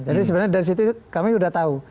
jadi sebenarnya dari situ kami udah tahu